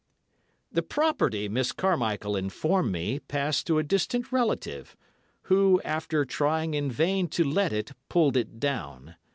The property, Miss Carmichael informed me, passed to a distant relative, who, after trying in vain to let it, pulled it down.